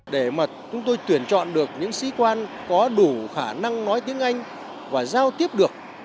để mà chúng tôi tuyển chọn được những sĩ quan có đủ khả năng nói tiếng anh và giao tiếp được